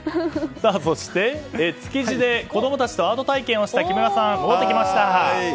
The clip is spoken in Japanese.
そして、築地で子供たちとアート体験をした木村さんが戻ってきました。